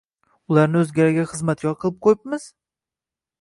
ularni o‘zgalarga xizmatkor qilib qo‘yibmiz?